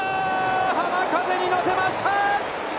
浜風に乗せました！